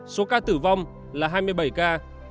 số ca tử vong là hai ca